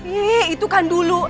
iya itu kan dulu